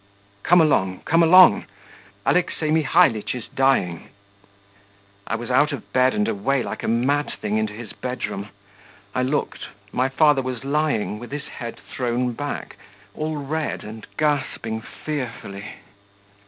'Come along, come along, Alexey Mihalitch is dying.' ... I was out of bed and away like a mad thing into his bedroom. I looked: my father was lying with his head thrown back, all red, and gasping fearfully.